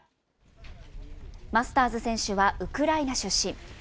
マスターズ選手はウクライナ出身。